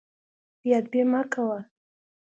بې ادبي مه کوه.